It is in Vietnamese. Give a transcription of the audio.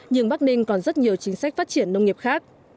nhưng bắc ninh còn rất nhiều chính sách phát triển nông nghiệp khác